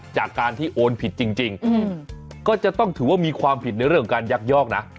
จากการที่โอนผิดจริงก็จะต้องถือว่ามีความผิดในเรื่องของการยักยอกนะ